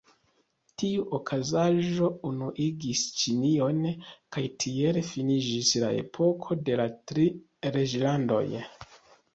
Tiu okazaĵo unuigis Ĉinion, kaj tiele finiĝis la epoko de la Tri Reĝlandoj.